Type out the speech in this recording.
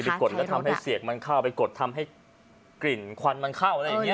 กดแล้วทำให้เสียกมันเข้าไปกดทำให้กลิ่นควันมันเข้าอะไรอย่างนี้